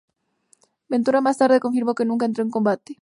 Ventura más tarde confirmó que nunca entró en combate.